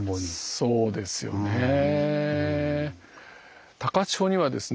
そうですよね。